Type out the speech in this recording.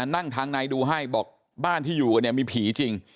นั่งทางในดูให้บอกบ้านที่อยู่มีผีจริง